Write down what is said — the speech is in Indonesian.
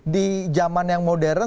di zaman yang modern